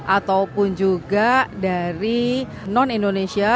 ataupun juga dari non indonesia